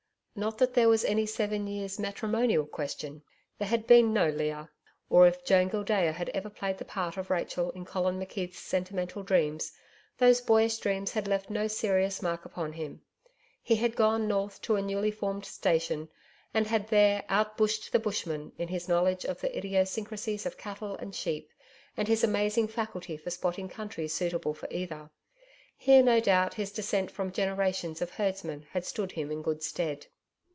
Not that there was any seven years matrimonial question. There had been no Leah. Or if Joan Gildea had ever played the part of Rachel in Colin McKeith's sentimental dreams, those boyish dreams had left no serious mark upon him. He had gone north to a newly formed station and had there out bushed the bushman in his knowledge of the idiosyncrasies of cattle and sheep and his amazing faculty for spotting country suitable for either. Here no doubt his descent from generations of herdsmen had stood him in good stead.